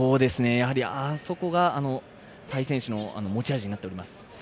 やはり、そこがタイ選手の持ち味になっております。